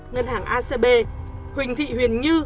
ngân hàng acb huỳnh thị huyền như